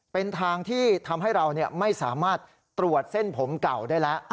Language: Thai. เป็นทางที่ทำให้เราไม่สามารถตรวจเส้นผมเก่าได้แล้ว